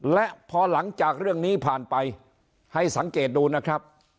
และพอหลังจากเรื่องนี้ผ่านไปให้สังเกตดูนะครับ